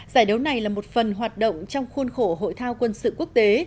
giải đấu này là một phần hoạt động trong khuôn khổ hội thao quân sự quốc tế